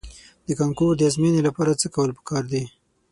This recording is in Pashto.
د کانکور د ازموینې لپاره څه کول په کار دي؟